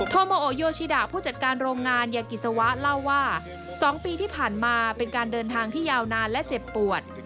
โมโอโยชิดะผู้จัดการโรงงานยากิสวะเล่าว่า๒ปีที่ผ่านมาเป็นการเดินทางที่ยาวนานและเจ็บปวด